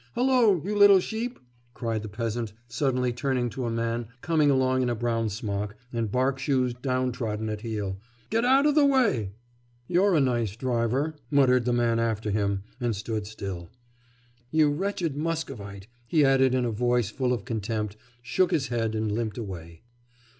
Hullo, you little sheep!' cried the peasant, suddenly turning to a man coming along in a brown smock and bark shoes downtrodden at heel. 'Get out of the way!' 'You're a nice driver!' muttered the man after him, and stood still. 'You wretched Muscovite,' he added in a voice full of contempt, shook his head and limped away.